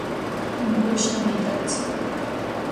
Тым больш на байдарцы.